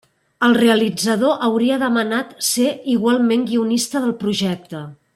El realitzador hauria demanat ser igualment guionista del projecte.